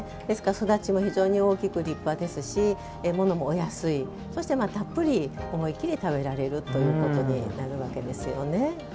育ちも非常に大きく立派ですし物もお安い、たっぷり思い切り食べられるということになるわけですよね。